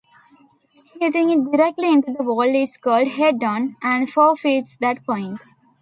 Hitting it directly into the wall is called 'head-on' and forfeits that point.